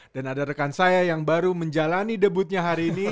ada rekan saya yang baru menjalani debutnya hari ini